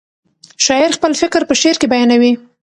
شاعر خپل فکر په شعر کې بیانوي.